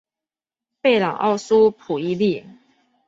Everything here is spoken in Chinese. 贝朗奥苏普伊利。